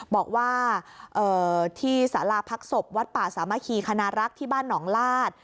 บอกว่าที่สาราพักศพวัดป่าสามัคคีคณรักษ์ที่บ้านหนองลาศ